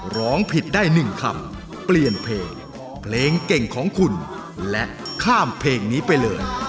ร้องผิดได้๑คำเปลี่ยนเพลงเพลงเก่งของคุณและข้ามเพลงนี้ไปเลย